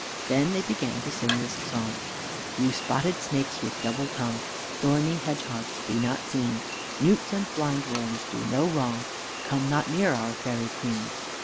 Then they began to sing this song: "You spotted snakes with double tongue, Thorny hedgehogs, be not seen; Newts and blindworms do no wrong, Come not near our Fairy Queen.